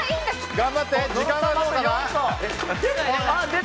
頑張って、時間はどうかな。